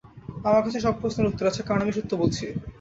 আমার কাছে সব প্রশ্নের উত্তর আছে কারণ আমি সত্যি বলছি।